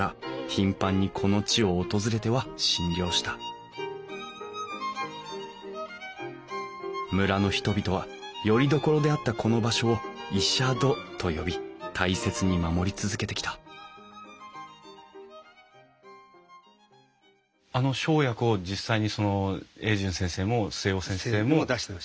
頻繁にこの地を訪れては診療した村の人々はよりどころであったこの場所を医者殿と呼び大切に守り続けてきたあの生薬を実際に榮順先生も末雄先生もこうやって。